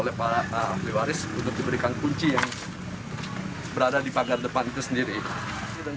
oleh para ahli waris untuk diberikan kunci yang berada di pagar depan itu sendiri dan